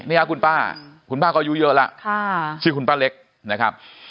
นี่ครับคุณป้าคุณป้าก็อยู่เยอะชื่อคุณป้าเล็ก